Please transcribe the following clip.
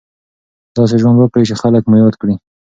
داسې ژوند وکړئ چې خلک مو یاد کړي.